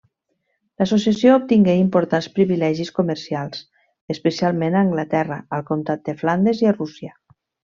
L'associació obtingué importants privilegis comercials, especialment a Anglaterra, al comtat de Flandes i a Rússia.